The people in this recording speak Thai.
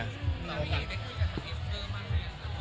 ไม่ได้คุยกับเอสเตอร์